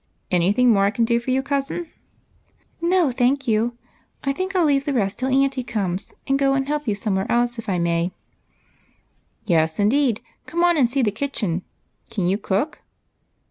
Any thing more I can do for you, cousin ?"" No, thank you. I think I '11 leave the rest till auntie comes, and go and helj) you somewhere else, if I may." " Yes, indeed, come on and see to the kitchen. Can you cook